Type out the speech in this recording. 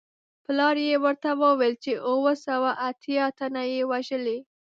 پلار یې ورته وویل چې اووه سوه اتیا تنه یې وژلي.